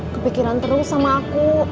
kepikiran terus sama aku